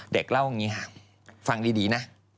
เด็กเล่าอย่างนี้ฮะฟังดีนะ